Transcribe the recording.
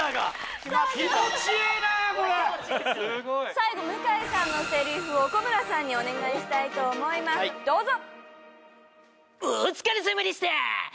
最後向井さんのセリフを小村さんにお願いしたいと思いますどうぞ！